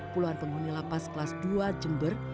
puluhan penghuni lapas kelas dua jember